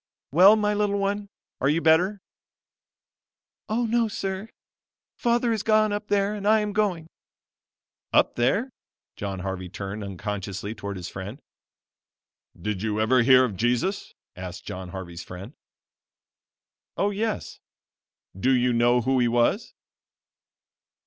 "Well my little one, are you better?" "Oh no, sir; Father is gone up there and I am going." Up there! John Harvey turned unconsciously towards his friend. "Did you ever hear of Jesus?" asked John Harvey's friend. "Oh yes." "Do you know who he was?"